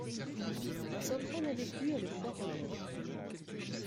Il s'entraîne avec lui et le forme.